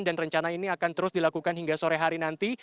dan rencana ini akan terus dilakukan hingga sore hari nanti